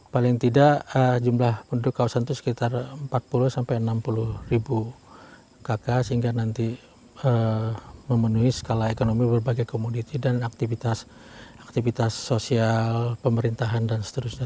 paling tidak jumlah penduduk kawasan itu sekitar empat puluh sampai enam puluh ribu kakak sehingga nanti memenuhi skala ekonomi berbagai komoditi dan aktivitas sosial pemerintahan dan seterusnya